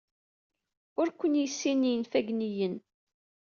Ukren-iyi sin n yefɣagniyen.